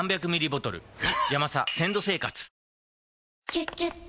「キュキュット」